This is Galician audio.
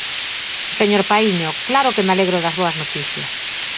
Señor Paíño, claro que me alegro das boas noticias.